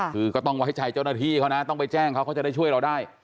คือก็ต้องไว้ใจเจ้าหน้าที่เขานะต้องไปแจ้งเขาเขาจะได้ช่วยเราได้